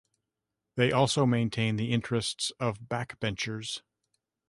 They also maintain the interests of back benchers.